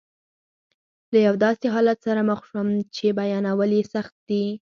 له یو داسې حالت سره مخ شوم چې بیانول یې سخت دي.